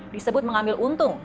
disebut mengambil untung